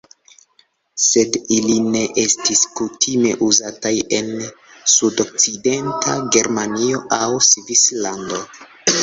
Sed ili ne estis kutime uzataj en sudokcidenta Germanio aŭ Svislando.